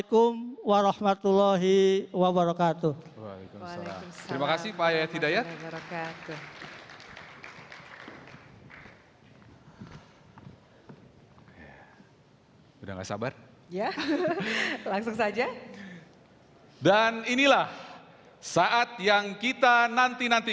karena kpu jawa barat tidak berpengenalan dengan kpu provinsi jawa barat